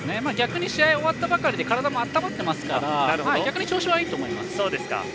逆に試合終わったばかりで体も温まってますから逆に調子はいいと思います。